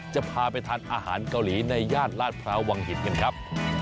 จะพาไปทานอาหารเกาหลีในย่านลาดพร้าววังหินกันครับ